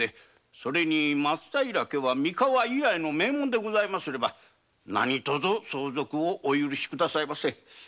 それに松平家は三河以来の名門にございますれば何とぞ相続をお許しくださいませ。